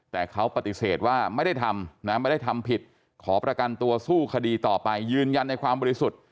แต่เขาปฏิเสธว่าไม่ได้ทำนะไม่ได้ทำผิดขอประกันตัวสู้คดีต่อไปยืนยันในความบริสุทธิ์